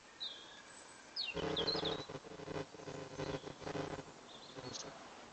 文苑楼前的草坪上静静矗立着一座代表二战时期千千万万“慰安妇”制度受害者的中韩“慰安妇”和平少女像